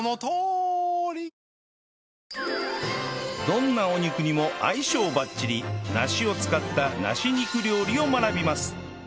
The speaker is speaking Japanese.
どんなお肉にも相性バッチリ梨を使った梨肉料理を学びます